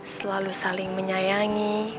selalu saling menyayangi